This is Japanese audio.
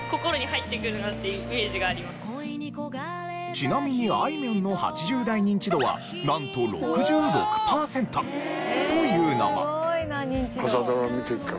ちなみにあいみょんの８０代ニンチドはなんと６６パーセント。というのも。